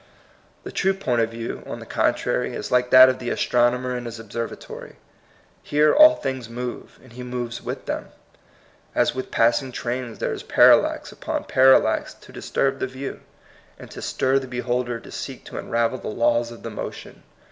The true point of view, on the con trary, is like that of the astronomer in his observatory. Here all things move, and he moves with them. As with pass ing trains, there is parallax upon parallax to disturb the view, and to stir the be holder to seek to unravel the laws of the motion.